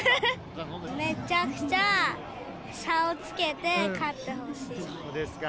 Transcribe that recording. めちゃくちゃ差をつけて勝っそうですか。